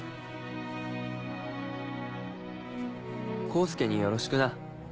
功介によろしくな。